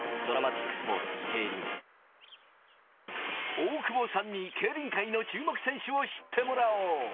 大久保さんに競輪界の注目選手を知ってもらおう。